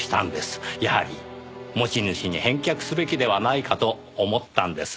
やはり持ち主に返却すべきではないかと思ったんです。